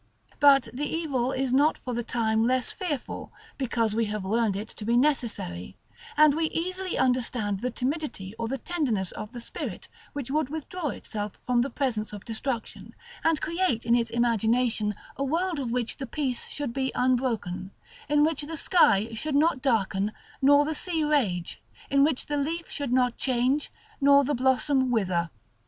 But the evil is not for the time less fearful, because we have learned it to be necessary; and we easily understand the timidity or the tenderness of the spirit which would withdraw itself from the presence of destruction, and create in its imagination a world of which the peace should be unbroken, in which the sky should not darken nor the sea rage, in which the leaf should not change nor the blossom wither.